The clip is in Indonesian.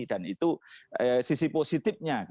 dan itu sisi positifnya